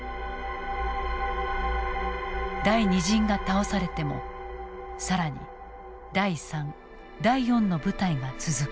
第２陣が倒されても更に第３第４の部隊が続く。